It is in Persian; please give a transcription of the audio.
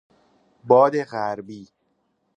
باد غربی